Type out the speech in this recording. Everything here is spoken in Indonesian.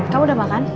kamu udah makan